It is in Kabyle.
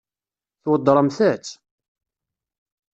Tweddṛemt-tt?